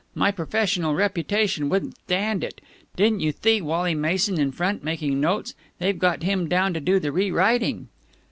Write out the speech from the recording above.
My professional reputation wouldn't thtand it! Didn't you thee Wally Mason in front, making notes? They've got him down to do the re writing."